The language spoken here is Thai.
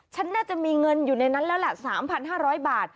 ฉันน่าจะมีเงินอยู่ในนั้นแล้วแหละ๓๕๐๐บาท